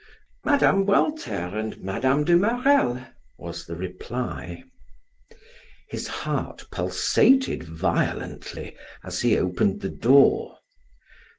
"Mme. Walter and Mme. de Marelle," was the reply. His heart pulsated violently as he opened the door.